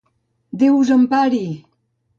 Déu us empari!